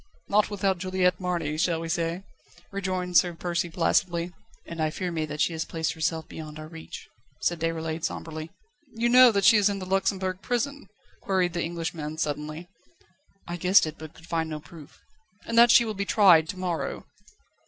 "Not without Juliette Marny, shall we say?" rejoined Sir Percy placidly. "And I fear me that she has placed herself beyond our reach," said Déroulède sombrely. "You know that she is in the Luxembourg Prison?" queried the Englishman suddenly. "I guessed it, but could find no proof." "And that she will be tried to morrow?"